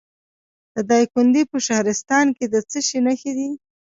د دایکنډي په شهرستان کې د څه شي نښې دي؟